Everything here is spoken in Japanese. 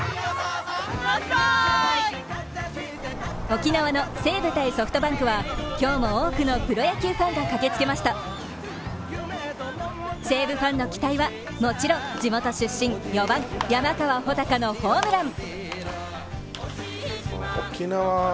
沖縄の西武対ソフトバンクは今日も多くのプロ野球ファンが駆けつけました西武ファンの期待は、もちろん地元出身、４番山川穂高のホームラン。